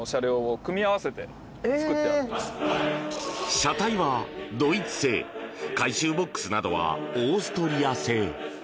車体はドイツ製回収ボックスなどはオーストリア製。